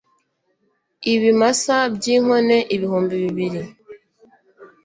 ibimasa by'inkone ibihumbi bibiri